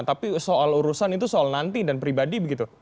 tapi soal urusan itu soal nanti dan pribadi begitu